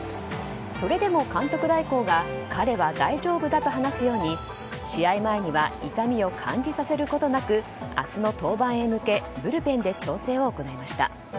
それでも、監督代行が彼は大丈夫だと話すように試合前には痛みを感じさせることなく明日の登板へ向けブルペンで調整を行いました。